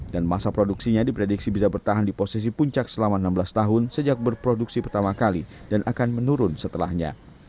dan masa produksinya diprediksi bisa bertahan di posisi puncak selama enam belas tahun sejak berproduksi pertama kali dan akan menurun setelahnya